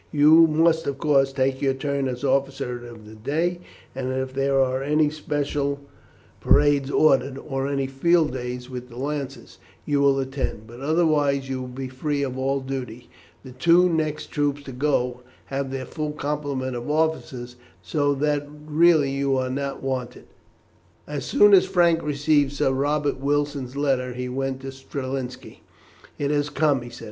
You must, of course, take your turn as officer of the day, and if there are any special parades ordered, or any field days with the Lancers, you will attend, but otherwise you will be free of all duty. The two next troops to go have their full complement of officers, so that really you are not wanted." As soon as Frank received Sir Robert Wilson's letter he went to Strelinski. "It has come," he said.